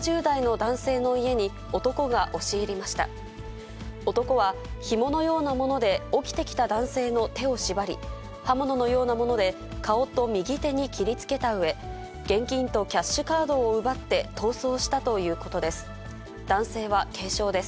男はひものようなもので起きてきた男性の手を縛り、刃物のようなもので顔と右手に切りつけたうえ、現金とキャッシュカードを奪って逃走したということです。